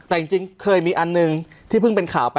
แต่จริงเคยมีอันหนึ่งที่เพิ่งเป็นข่าวไป